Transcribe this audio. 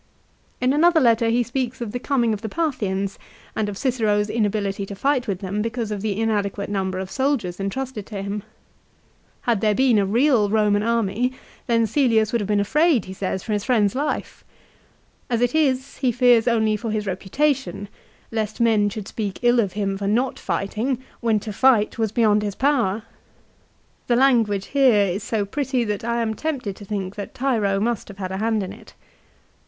In another letter he speaks of the coming of the Parthians, and of Cicero's inability to fight with them because of the inadequate number of soldiers intrusted to him. Had there been a real Eomau army then Caelius wo aid have been afraid, he says, for his friend's life. As it is he fears only for his reputation, lest men should speak ill of him for not fighting, when to fight was beyond his power. 2 The language here is so pretty that I am tempted to think that Tiro must have had a hand in it.